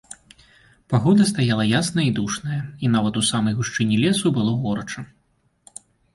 Пагода стаяла ясная і душная, і нават у самай гушчыні лесу было горача.